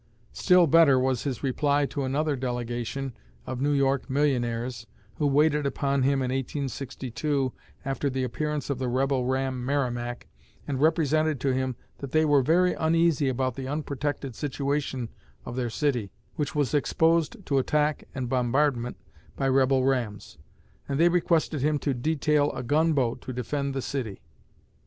Still better was his reply to another delegation of New York millionaires who waited upon him in 1862, after the appearance of the rebel ram "Merrimac," and represented to him that they were very uneasy about the unprotected situation of their city, which was exposed to attack and bombardment by rebel rams; and they requested him to detail a gun boat to defend the city.